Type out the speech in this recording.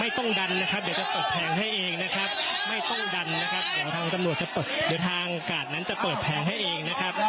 หน้านั้นบอกไม่ต้องดันจะเปิดแผง